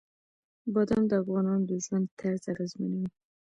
بادام د افغانانو د ژوند طرز اغېزمنوي.